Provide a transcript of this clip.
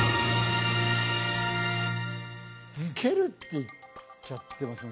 つけるって言っちゃってません？